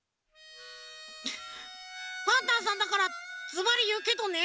パンタンさんだからずばりいうけどね。